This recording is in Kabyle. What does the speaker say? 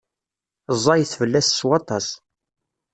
Ẓẓayet fell-as s waṭas.